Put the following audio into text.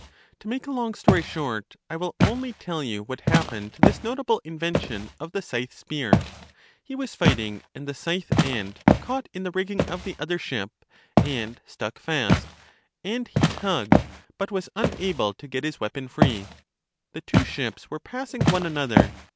To make a long story short, I will only tell you what happened to this notable invention of the scythe spear. He was fighting, and the scythe end caught in the rigging of the other ship, and stuck fast; and he tugged, but was unable to get his weapon free. The two ships were passing one another.